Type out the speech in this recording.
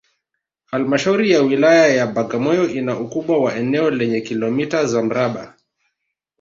Halmashauri ya Wilaya ya Bagamoyo ina ukubwa wa eneo lenye kilometa za mraba